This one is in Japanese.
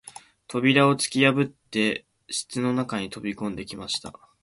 扉をつきやぶって室の中に飛び込んできました